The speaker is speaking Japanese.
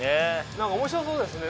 何か面白そうですね